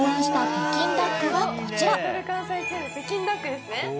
北京ダックですね